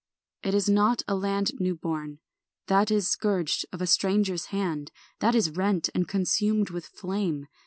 It is not a land new born That is scourged of a stranger's hand, That is rent and consumed with flame.